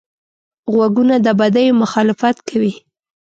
غوږونه د بدیو مخالفت کوي